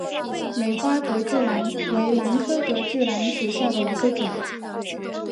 美花隔距兰为兰科隔距兰属下的一个种。